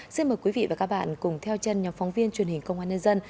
xin mời quý vị và các bạn cùng theo chân nhóm phóng viên truyền hình công an nhân dân